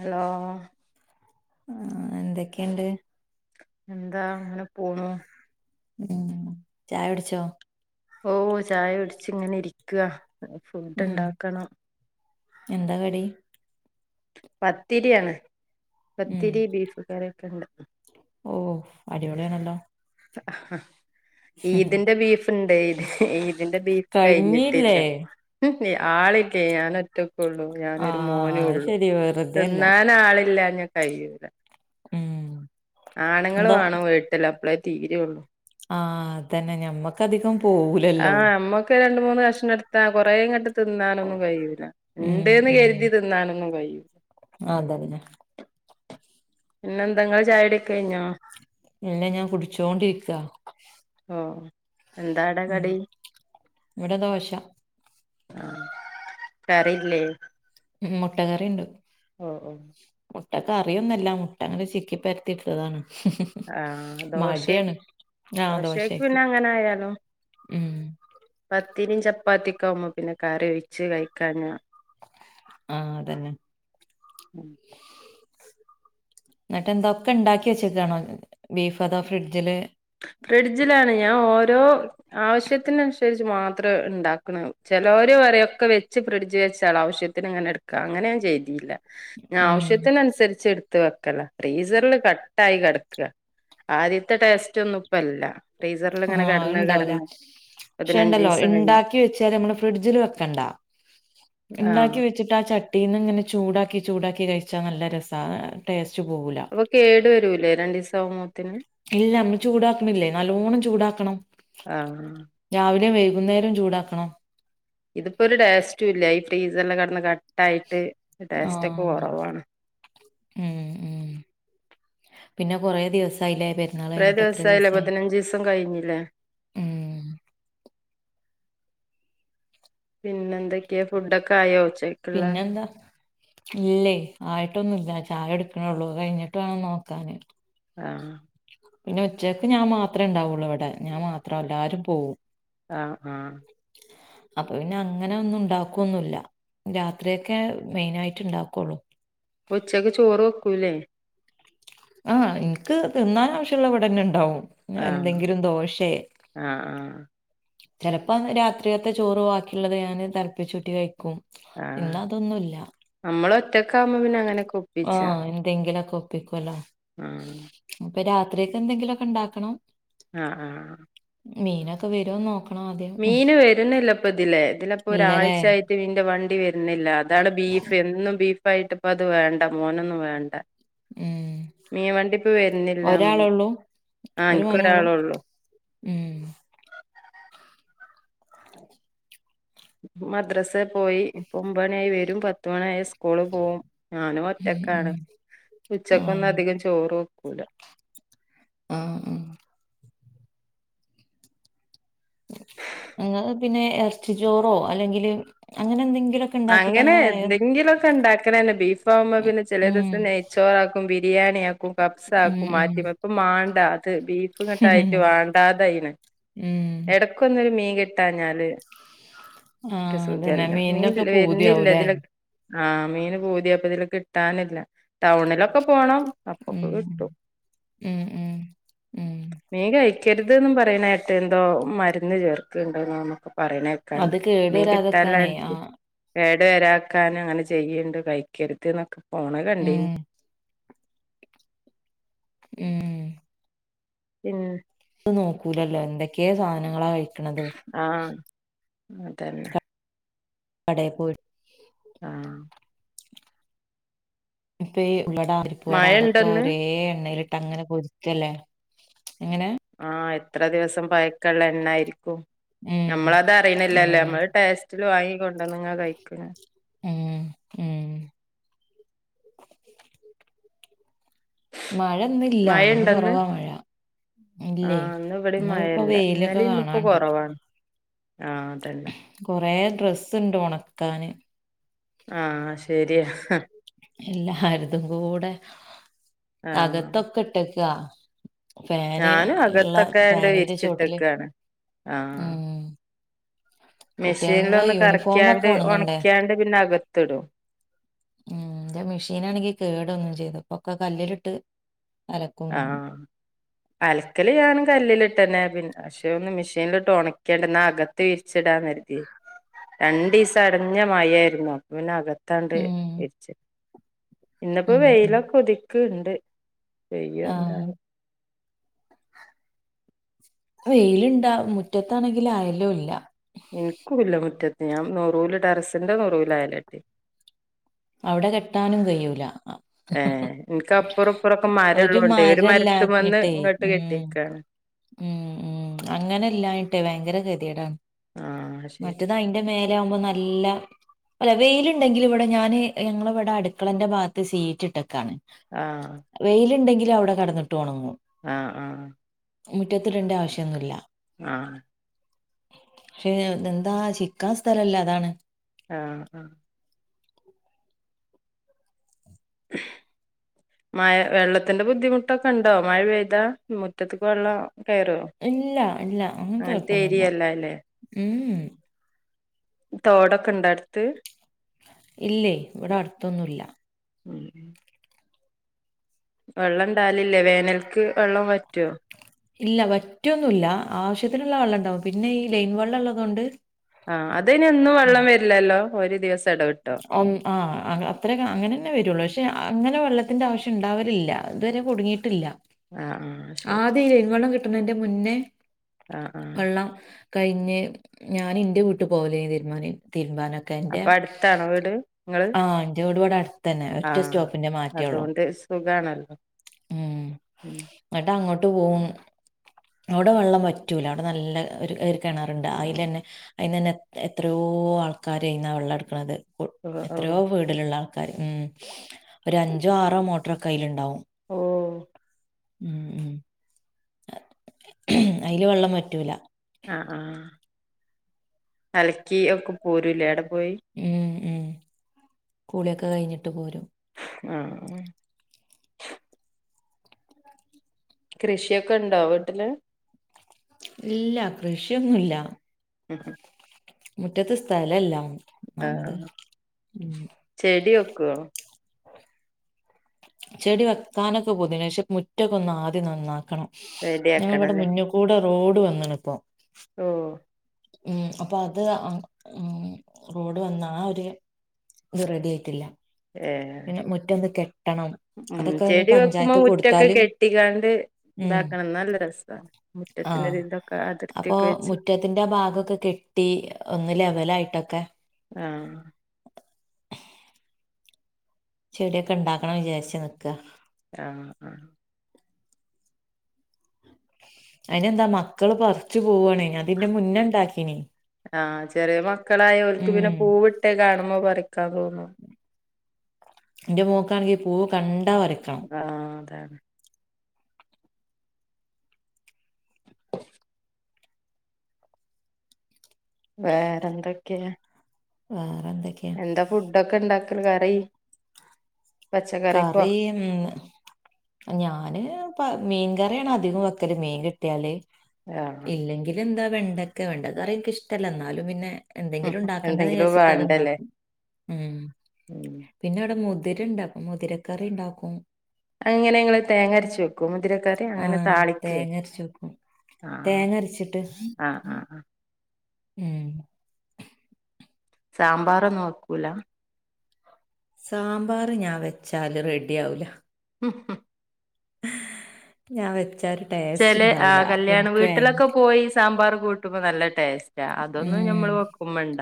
Hello ആ എന്തൊക്കെയുണ്ട് എന്താ അങ്ങനെ പോണു ഉം ചായ കുടിച്ചോ ഓ ചായ കുടിച്ച് ഇങ്ങനെ ഇരിക്കുക ഫുഡ് ഉം ഇണ്ടാക്കണം എന്താ കടി പത്തിരിയാണ് ഉം പത്തിരി ബീഫ് കറി [inaudible] ഓ അടിപൊളിയാണല്ലോ അഹ് ഹാ ഈതിന്റെ ബീഫിണ്ടായിന് എന്റെ ബീഫ് കഴിഞ്ഞില്ലേ കഴിഞ്ഞിട്ടില്ല ആളില്ലേ ഞാനൊ റ്റ ഒള്ളൂ ഞാനൊരു ആഹ് മോനും അത് ഒള്ളു ശരി വെറുതെയല്ല തിന്നാനാആളില്ല ഞാ ക്കയ്യൂല ഉം ആണ്ങ്ങള് എന്തോ വേണം വീട്ടില് തീരെ ഒള്ളൂ ആ തന്നെ ഞമ്മക്കധികം ആ പോവൂലല്ലോ നമ്മക്ക് രണ്ട് മൂന്ന് കഷണം ടുത്താ കൊറേങ്ങ്ട്ട് തിന്നാനൊന്നും കഴിയൂല ഉണ്ട്ന്ന് കരുതി തിന്നാനൊന്നും കഴി [inaudible] ആ അതന്നെ പിന്നെന്ത ങ്ങളെ ചായൊടി ഒക്കയിഞ്ഞോ ഇല്ല ഞാൻ കുടിച്ചോണ്ടിരിക്കാ ആ എന്താടെ ഉം കടി ഇവിടെ ദോശ ആ കറിയില്ലേ മ്മ് മുട്ട കറീണ്ട് ആഅ മുട്ടക്കറിയൊന്നല്ല മുട്ട അങ്ങനെ ചിക്കിപ്പരത്തിട്ടതാണ് ആ ദോശ ആഹ് ദോശേക്ക് ദോശക്ക് പിന്നെ അങ്ങനെ ആയാലും ഉം പത്തിരീം ചപ്പാത്തി ക്കാവുമ്പോ പിന്നെ കറി ഒഴിച്ച് കഴിക്കാഞ്ഞ ആ അതന്നെ ന്നിട്ടെന്താ ഒക്കെണ്ടാക്കി വെച്ചിക്കാണോ ബീഫ് അതോ ഫ്രിഡ്ജില് ഫ്രിഡ്ജിലാണ് ഞാൻ ഓ ഓരോ ആവശ്യത്തിനനുസരിച്ച് മാത്രം ഇണ്ടാക്കണ ചിലവർ വരൊക്കെ വെച്ച് ഫ്രിഡ്ജ് വെച്ചാൽ ആവശ്യത്തിന് ഇങ്ങനെ എടുക്കുക അങ്ങനെ ഞാൻ ചെയ്തിയില്ല ഉം ആവശ്യത്തിനനുസരിച്ച് എടു വെക്കല ഫ്രീസറില് കട്ടായി കെടക്ക്ക ആദ്യത്തെ ടസ് മറ്റൊന്നുപ്പല്ല ആ ഇണ്ടാവൂല പതിനഞ്ച് പക്ഷേണ്ടല്ലോ ദിവസം കഴിഞ്ഞ് ഇണ്ടാക്കി വെച്ചാൽ നമ്മള് ഫ്രിഡ്ജില് വെക്കണ്ട ആഹ് ഇണ്ടാക്കി വെച്ചിട്ട് ആ ചട്ടീന്നിങ്ങനെ ചൂടാക്കി ചൂടാക്കി കഴിച്ചാനല്ല രസാണ് ടേസ്റ്റ് പോകൂല അപ്പൊക്കേടു വരൂലേ രണ്ടീസാവും ഇല്ല നമ്മള് ചൂടാക്കണില്ലേ നല്ലോണം ചൂടാക്കണം ആഹ് രാവിലെ വേവി കുന്നേരോം ചൂടാക്കണം. ഇതിപ്പൊ ഒരു ഠേസ്റ്റു ഇല്ല ഈ ഫ്രീസല്ല് കെടന്ന കാ തൈര് ടേസ്റ്റൊക്കെ ആഹ് കുറവാണ്. പിന്ന കൊറേ ദിവസ് കൈലേ പെരുന്നാള് കഴിഞ്ഞിട്ടെത്ര ദിവസായില്ലേ ദിവസായി പതിനഞ്ചീസം കഴിഞ്ഞില്ലേ ഉം പിന്നെന്ത് പിന്നെന്താ ഇല്ലേ ആയിട്ടൊന്നുല്ല ഉച്ച് ചായ എടുക്കണൊള്ളൂ അത് കഴിഞ്ഞിട്ട് വേണം നോക്കാന് ആഹ് പിന്നെ ഉച്ചക്ക് ഞാൻ മാത്രെണ്ടാവുള്ളൂ ഇവിടെ ഞാൻ മാത്രം എല്ലാരും പോകവും. ആഹ് ആഹ് അപ്പൊ പിന്നെ അങ്ങനെ ഒന്നും ഉണ്ടാക്കൊന്നുല്ല രാത്രിയൊക്കെ മെയിനായിട്ട് ഇണ്ടാക്കൊള്ളു. ഉച്ചക്ക് ചോറ് വെക്കൂല്ലേ ആഹ് എനിക്ക് തിന്നാൻ ആവശ്യമുള്ള ഇവിടെന്നെ ഇണ്ടാവും ആഹ് ങ്ങെഎന്തെങ്കിലും ദോശെ ആഹ് ആഹ് ചെലപ്പ രാത്രിലത്ത ചോറ് വാക്കിയിള്ളത് ഞാന് തിളപ്പിച്ച്‌ച്ചൂറ്റി കഴിക്കും ആഹ് ഇന്ന് അതൊന്നുമില്ല നമ്മള് തിരക്കയുമ്പോൾ പിന്ന അങ്ങനക്കൊ ആഹ് എന്തെങ്കിലൊക്ക ഒപ്പിക്കൊല്ല ആഹ് ഇപ്പൊ രാത്രിയൊക്കെ എന്തെങ്കിലൊക്ക ഇണ്ടാക്കണം. ആഹ് ആഹ് മീനൊക്കെ വരോന്ന് നോക്ക് മീന് വരുന്നില്ലപ്പ ഇതിലേ ഇതിലപ്പോ ഇല്ലല്ലേ ഒരാഴ്ചായിട്ട് മീന്റെ വണ്ടി വര് പിന്നില്ലാ അതാണ് ബീഫ് എന്നും ബീഫ് ഇപ്പോയിട്ടപ്പോൾ അത് വേണ്ട മോനൊന്നും വേണ്ട ഉം മീൻ വണ്ടിപ്പവരുന്നില്ല മീ ഒരാളൊള്ളൂ ആ ഒരു മോനൊള്ളൂ എനിക്കൊരാളൊള്ളു. ഉം മദ്രാസേ പോയി ഇപ്പോ ഒൻപത് മണിയായി വരും പത്ത് മണിയായ സ് സ്കൂള് പോവും ഞാനും ഉം ഉം ഒറ്റക്കാണ് ഉച്ചക്കൊന്നും ആഹ് അധികം ചോറും കൂട ആഹ്ഹ് ഞങ്ങള് പിന്നെ ഇറച്ചി ചോറോ അല്ലെങ്കിൽ അങ്ങനെ എന്തെങ്കിലു അങ്ങനെ എന്തെങ്കിലുമൊക്കെ ഉണ്ടാക്കണന്നെ ബീഫാവുമ്പോ പിന്നെ ചില ഉം ദിവസം നെയ്ച്ചോറാക്കും- ബിരിയാണി യാക്കും കബ്സ ഉം ആക്കും ഉം മാറ്റി വക്കും മേണ്ടാ അത് ബീഫ് ഇങ്ങട് ആയിട്ട് വേണ്ടതായിണ് ഉം ഇടക്ക് ഒന്നൊരു മീൻ കിട്ടാഞ്ഞാല് ഒരു ആഹ് അതന്നെ സുഖല്ല മീൻ മീനൊക്കെ ഇപ്പോ വരുന്നില്ല ഇതിനോക്ക് ആഹ് മീന് പൂതിയപ്പതില് കിട്ടാനില്ല ടൗണിലൊക്കെ പോണം അപ്പൊക്കെ ഉം കിട്ടും ഉം ഉം ഉം ക്കരുതുന്ന് പറയിനീട്ട് എന്തോ മരുന്ന് ചേർക്കുണ്ടോന്നൊക്കെ അത് കേടുവരാതിരിക്കാനെ ആ കേട് വരാക്കാനും അങ്ങനെ ചെയ്യുണ്ട് കഴിക്കരുത് എന്നൊക്കെ പോണ ഉം കണ്ടേന് ഉം പിന്നെ നോക്കൂല്ലല്ലോ എന്തൊക്കെയൊ സാധനങ്ങളാ കഴിക് ആഹ് അതന്നെ കടേ പോയി ആഹ് പേ ല്ലടാ പരിപ്പുവട മഴ അതൊക്കെ ഇണ്ടന്ന് ഒരേ എണ്ണയിലിട് ട്ടങ്ങനെ പൊരിക്കുവല്ലേ ഇങ്ങനെ ആഹ് എത്ര ദിവസം പയക്കള്ള എണ്ണായിരിക്കും ഉം ഞമ്മളത് അറീണില്ലല്ലോ അതന്നെ നമ്മള് ടേസ്റ്റില് വാങ്ങിക്കൊണ്ടുവന്നങ്ങ കഴിക്കണ ഉം ഉം മഴ ഇന്നില്ല ഇന്ന് മഴയുണ്ടന്ന് കുറവാ മഴ ഇല്ലേ ആഹ് ഇന്ന് ഇവിടെയും ഇന്നിപ്പോ മഴയില്ല വെയിലൊക്കെ ഇന്നലെയും ഇന്നിപ്പോ കാണാണ്ട് കൊറവാണ് ആഹ് അതന്നെ കൊറേ ഡ്രെസ്സുണ്ട് ഉണക്കാന്. ആഹ് ശരിയാ എല്ലാരതും കൂടെ ആഹ് അകത്തൊക്കെ ഇട്ടേക്കുവാ ഞാനും അകത്തൊക്കെ ഇണ്ട് ഫാനിന്റെ ചോട്ടില് വിരിച്ചിട്ടേക്കുവാണ് ആഹ് ഉം മെഷീനില് കുട്ടികളെ ഒന്ന് യൂണിഫോമൊക്കെ കറക്കിയാണ്ട് ഒണ ഒണങ്ങണ്ടേ ക്കിയാണ്ട് പിന്നെ അകത് കത്തിടും ഉം ന്റെ മെഷീനാണെങ്കിൽ കേട് വന്നും ചെയ്ത് ഇപ്പോ കല്ലിലിട്ട് അലക്കും ആ വേണം അലക്കല് ഞാനും കല്ലിലിട്ടന്നെ പിന്നെ പക്ഷെ ഒന്ന് മെഷീനിൽ ഇട്ട് ഓണക്കി ണാക്യാണ്ട് അകത്ത് വിരിച്ചിടാന്നു കരുതി രണ്ടീസം അടഞ്ഞ മഴയായിരുന്നു അപ്പോപ്പിന്നെയകത്തു - ത്താണ്ട് ഉം ഇരിച്ച് ഇന്നപ്പോ ഉം ഉം വെയിലൊക്കെ ഉദി ക്ക് ഇണ്ട് പെയ്യോ ആഹ് എന്താവോ - വെയിലുണ്ടാവും മുറ്റത്താണെങ്കില് അയലും ഇല്ല എനിക്ക ഇല്ല മുറ്റത്ത് ഞാൻ നൂറൂല് ടെറസിന്റെ നൂറൂൽ ആയാലട്ടിയെ അവിടെ കെട്ടാനും കഴൂല ഏഹ് ഇൻക്ക് അപ്പുറം ഇപ്പുറൊക്കെ ഒരു മരള്ളോണ്ടേ മരത്തുമ്മന്ന് മരല്ലഞ്ഞിട്ടേ ഇങ്ങട്ട് ഉം കെട്ടിക്കാണ്. ഉം ഉം അങ്ങനെല്ലായിട്ടേ ഭയങ്കര ക ഏടാന്ന് ആഹ് ശരി മറ്റേതാ അയിന്റെ മേലെ ആകുമ്പോ നല്ല അല്ല വെയില് ഉണ്ടെങ്കിലും ഇവിടെ ഞാന് ഞങ്ങളിവിടെ അടുക്കളന്റെ ഭാഗത്ത് ഷീറ്റ് ഇട്ടേക്കാണ് വെയിലുണ്ടെങ്കിൽ അവിടെ കടന്നട്ട് ആ ആ മുറ്റത്തിടേണ്ട ആവശ്യമൊന്നും ഇല്ല ആ പക്ഷേ ഇത് എന്താ ചിക്കാൻ സ്ഥലല്ലേ അതാണ് ആ ആ മഴ വെള്ളത്തിന്റെ ബുദ്ധിമുട്ടൊക്കെ ഉണ്ടോ മഴ പെയ്താ മുറ്റത്തക്ക് വെള്ളം കേറോ? ഇല്ല ഇല്ല അങ്ങനത്തെ കൊഴപ്പൊന്നും ഇല്ല ഉം തോടൊക്കെ ഇണ്ടായിടുത്ത് ഇല്ലേ ഇവിടെ അടുത്തൊന്നും ഇല്ല ഉം വെള്ളംണ്ടാലില്ലേ വേനൽക്ക് വെള്ളം വറ്റുവോ ഇല്ല വറ്റൊന്നും ഇല്ല ആവശ്യത്തിനുള്ള വെള്ളം ഉണ്ടാവും പിന്നെ ഈ ലൈൻ വെള്ളം ഉള്ളതുകൊണ്ട് ആ അതിന് എന്നും ഉം, വെള്ളം വരില്ലല്ലോ ഒരു ദിവസം എടവിട്ടോ ആ അത്രക്ക അങ്ങനെന്നെ വരുള്ളൂ പക്ഷേ അങ്ങനെ വെള്ളത്തിൻ്റെ ആവശ്യം ഉണ്ടാവലില്ല ഇതുവരെ കുടുങ്ങിയിട്ടില്ല ആഹ് ആഹ് ശരി ആദ്യം ഈ ലൈൻ വെള്ളം കിട്ട ണന്റെ മുന്നേ ആഹ് ആഹ് വെള്ളം കഴിഞ്ഞ് ഞാന് എന്റെ വീട്ട് പോക ലെന്നാ തീരുമാനെ തീരു മാനൊക്കെ എന്റെ അപ്പൊ അടുത്താണോ വീട് നിങ്ങള് ആ എന്റെ വീട് ഇവിടെ അടുത്ത് തന്നെ ഒറ്റ ആഹ് സ്റ്റോപ്പിന്റെ മാറ്റേള്ളു അതുകൊണ്ട് സുഖാണല്ലോ ഉം ഉം എന്നിട്ട് അങ്ങോട്ട് പോകും അവിടെ വെള്ളം വറ്റൂല അവിടെ നല്ല ഒരു കെ കിണറുണ്ട് അതിലന്നെ അതിന്ന് തന്നെ എത്രയോ ആൾക്കാര് അതിന്നാ വെള്ളം എടുക്ക ണത് ഓ ഓ എത്രയോ വീടിലുള്ള ക്കാര് ഉം ഒരു അഞ്ചോ ആറോ മോട്ടറൊക്കെ അയിലുണ്ടാവും ഓ ഉം ഉം അയില് വെള്ളം വറ്റൂല ആ ആ അലക്കി ഒക്കെ പോരൂല്ലേ അവി ഉം ഉം കുളിയൊക്കെ കഴിഞ്ഞിട്ട് പോരും ആ അ കൃഷിയൊക്കെ ഉണ്ടോ വീട്ടില് ഇല്ല കൃഷിയൊന്നുംല്ല മുറ്റത്ത് സ്ഥലം ഇല്ല. ആ ചെടിയൊ ക്കോ? ചെടി വെക്കാനൊക്കെ കൊതിയണ്. പക്ഷെ മുറ്റൊക്കെ ഒന്ന് ആദ്യം നന്നാക്കണം. റെഡി ഞങ്ങ ഇവ്ടെ ആക്കണല്ലേ മുന്ന് കൂടെ റോഡ് വന്ന്ണ് പ്പം. ഓ ഉം അപ്പൊ അത് ഉം റോഡ് വന്ന ആ ഒരു ഇത് റെഡി ആയിട്ടില്ല. ഏഹ് പിന്നെ മുറ്റൊന്നു കെട്ട ട്ടണം. ഉം അതൊക്കെ ഇനി ചെടി വെക്കുമ്പോ പഞ്ചായത്ത് മുറ്റൊക്കെ കൊട്ത്താല് കെട്ടിക്കാണ്ട് ഉം ഇതാക്കണം നല്ല രസാണ് ആ മുറ്റത്തിനൊരു ഇതൊക്കെ അപ്പൊ അതിർത്തിയൊക്കെ വെച്ച് മുറ്റത്തിന്റെ ഭാഗക്കെ കെട്ടി ഒന്ന് ലെവലായിട്ടൊ ക്കെ ആ ചെടിയൊക്കെ ഇണ്ടാക്കണം വിചാരിച്ചു നിക്ക. ആ ആ അയിനെന്താ മക്കള് പർച്ചു ആ ചെറിയ മക്കളായോൽക്ക് പിന്നെ ഉം പൂവിട്ടേ കാണുമ്പോ പറിക്കാ തോന്നും. ഇന്റെ മോക്കാണെങ്കി പൂവ് കണ്ട ആ അതാണ്. വേറെന്തൊക്കെയാ? ആ എന്താ ഫുഡൊക്കെ ഇണ്ടാ [unintelligible] കറി പച്ചക്കറിക്കോ കറി ഉം ഞാന് പ മീൻ കറിയാണ് അധികും വെക്കല് മീൻ കിട്ട്യാല് ആഹ് ഇല്ലെങ്കിലെന്താ വെണ്ടക്ക വെണ്ടക്കറി ഇൻക്ക് ഇഷ്ടല്ല എന്നാലും പിന്നെ എന്തെങ്കിലും ഉണ്ടാക്കേണ്ടന്ന് എന്തെങ്കിലും വിചാരിച്ചിട്ട് വേണ്ടല്ലേ അത്ണ്ടാക്കും ഉം ഉം പിന്നെ ഇവിടെ മു തിരണ്ട് അ മുതിരക്കറിണ്ടാക്കും അതെങ്ങനെങ്ങള് തേങ്ങര്ച്ച് വെക്കൊ മുതിരക്കറി അങ്ങനെ ആഹ് താളിക്കെ തേങ്ങ അരച്ച് വെക്കും ആ തേങ്ങ അരച്ചിട്ട് ആ ആ ആ ഉം സാമ്പാറൊന്നുവെക്കൂല? സാമ്പാറ് ഞാൻവെച്ചാല് റെഡി ആവൂല ഉം ഉം ഞാൻവെ ചെല ആ കല്യാണംവീട്ടിലൊക്കെ പോയി സാമ്പാറും കൂട്ടുമ്പോ നല്ല ടേസ് ര അതൊന്നും ഞമ്മൾ ഉം ഓർക്കുംവെണ്ട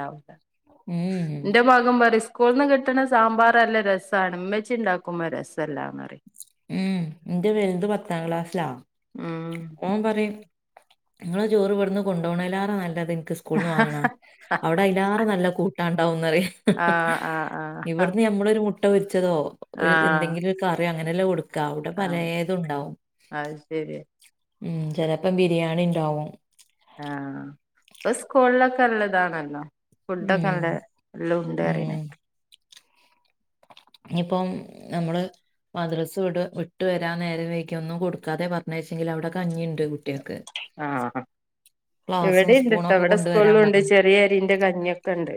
ഉം എന്റെ [unintelligible] സ്കൂൾന്ന് കിട്ട്ണ സാമ്പാറ് ല്ല രസാണ് മ്മച്ചിണ്ടാക്കുമ്പോ രസംല്ലാ ന്നറിം ഉം ന്റെ വെൽത് പത്താം ക്ലാസ്സ്‌ലാ ഓൻ പറിം നിങ്ങളെ ചോറിവിടന്ന് കൊണ്ടപോണേലേറെ നല്ലത് ൻക്ക് സ്കൂൾന്ന് വാങ്ങ്ണ ഉം അവിടെ അയ്ലേറെ നല്ല കൂട്ടാണ്ടാവുന്നറിം ആഹ് ആഹ് ആഹ് ഇവിടന്ന് നമ്മളൊരു മു [unintelligible] ച്ചതോ ഒര് ആഹ് എന്തെങ്കിലൊരു കറി അങ്ങനെല്ലേ കൊടു ക്ക ഔടെ ആഹ് പലേതുണ്ടാവും അത് ശരി ഉം ചെലപ്പം ബിരിയാണി ണ്ടാവും ആ ഇപ്പൊ സ്കൂളിലൊക്കെ ള്ളതാണല്ലോ? ഫുഡൊക്കെ ഉം ഔടെ ല്ലോം ണ്ട് ന്നറിണേ ഉം ക്കാം ഇനിയിപ്പം നമ്മള് മദ്രസ്സ വിട് വിട്ട് വെരാൻ നേരം വൈകിയാ ഒന്നും കൊടുക്കാതെ പറഞ്ഞയ് ച്ചെങ്കിൽ അവിടെകഞ്ഞിണ്ട് കുട്ടിൾക്ക് ആ ഗ്ലാസുംസ്പൂ ണൊക്കെ കൊണ്ടുവരരാം ഉണ്ട് പറഞ്ഞു ചെറിയ അരിന്റെ കഞ്ഞിയൊക്കെ ഉണ്ട്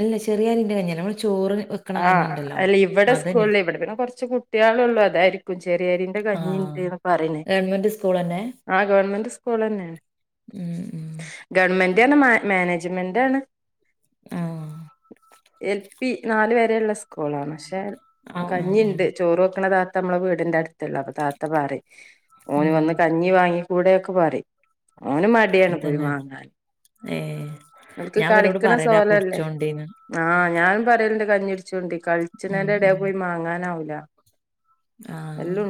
അല്ല ചെറിയരിന്റെ കഞ്യല്ല നമ്മള് ചോറ് വെക്കണ ആ കഞ്ഞിണ്ടല്ലോ അല്ല ഇവിടെ അതന്നെ സ്കൂൾലേ ഇവിടെ പിന്നെ കൊർച്ച് കുട്ട്യാളെള്ളൂ അതായിരിക്കും രേരിന്റെ ആഹ് കഞ്ഞിണ്ട്ന്ന് പറിണേക്കാ ഗവൺമെന്റ് സ്കൂളന്നെ ആ ഗവൺമെന്റ്സ് സ്‌കൂളെന്നേണ് ഉം [unintelligible] മാനേജ്മെന്റണ് ആഹ് എൽ പി നാല് വരെയുള്ള സ്കൂളാണ് ക്ഷെ ആഹ് ആഹ് കഞ്ഞിണ്ട് ആഹ് ചോറ് വെക്കണത നമ്മള വീടിന്റെ അട് [unintelligible] താത്ത പാറിം ഓന് ഉം വന്ന് കഞ്ഞി വാങ്ങി കൂടെയൊക്കെ പറിം ഓന് മടിയാണ് പോയി വാങ്ങാൻ ഏ അവർക്ക് കളിക്കണ സോല [unintelligible] ല്ലേ ആഹ് ഞാൻ പറയുന്നുണ്ട് കഞ്ഞി കുടി - ണ്ട് ഉം കളിച്ചിണെന്റെ എടേയ് ഉം പോയി വാങ്ങാനാവും ല്ല ആഹ്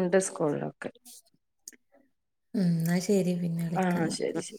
എന്നാ ശരി പിന്നെ ആഹ് വിളിക്കന്ന ശരി ശരി